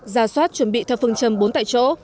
ra soát chuẩn bị theo phương châm bốn tại chỗ